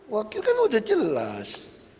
wakil kan udah jelas